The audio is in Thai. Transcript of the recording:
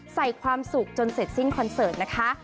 ใส่ความสุขจนเสร็จสิ้นคอนเสิร์ตนะคะ